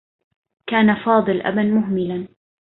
كان فاضل أبا مهملا.